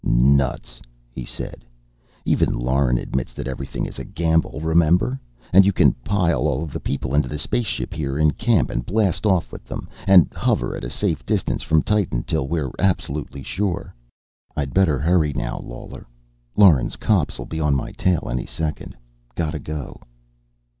"Nuts!" he said. "Even Lauren admits that everything is a gamble, remember? And you can pile all of the people into the space ship here in camp, and blast off with them, and hover at a safe distance from Titan till we're absolutely sure. I'd better hurry now, Lawler. Lauren's cops'll be on my tail any second. Gotta go."